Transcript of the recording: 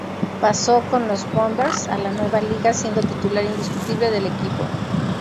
Pasó con los Bombers a la nueva liga, siendo titular indiscutible del equipo.